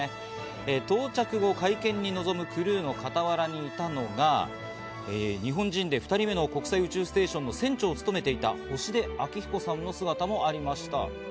到着後、会見に臨むクルーの傍らにいたのが、日本人で２人目の国際宇宙ステーションの船長を務めていた星出彰彦さんの姿もありました。